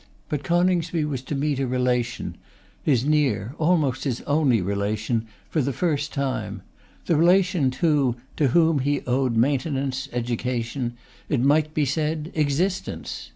But Coningsby was to meet a relation, his near, almost his only, relation, for the first time; the relation, too, to whom he owed maintenance, education; it might be said, existence.